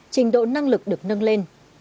trình độ năng lực được nâng lên